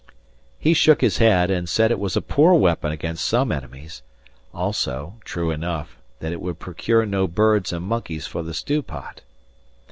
He shook his head, and said it was a poor weapon against some enemies; also truly enough that it would procure no birds and monkeys for the stew pot.